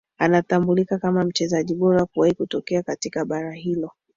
Anatambulika kama mchezaji bora kuwahi kutokea katika bara hilo